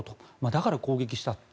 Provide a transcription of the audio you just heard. だから攻撃したと。